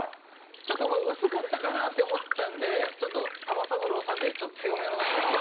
ちょっと薄かったかなって思ったんでちょっと玉三郎さんでちょっと強めの名前を。